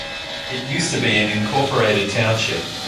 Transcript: It used to be an incorporated township.